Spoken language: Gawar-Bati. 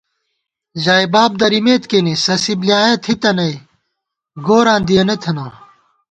ژائےباب درِمېت کېنےسَسِی بۡلیایَہ تھِتہ نئ گوراں دِیَنہ تھنہ